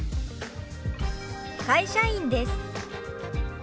「会社員です」。